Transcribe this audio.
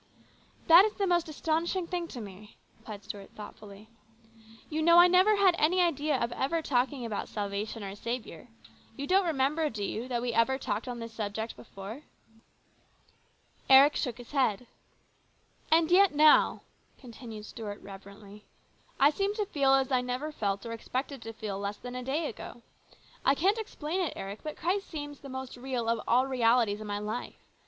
" That is the most astonishing thing to me," replied Stuart thoughtfully. " You know I never had any idea of ever talking about salvation or a Saviour. You don't remember, do you, that we ever talked on this subject before ?" Eric shook his head. " And yet, now," continued Stuart reverently, " I seem to feel as I never felt or expected to feel less than a day ago. I can't explain it, Eric, but Christ seems the most real of all realities in my life.